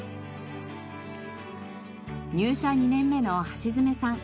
入社２年目の橋爪さん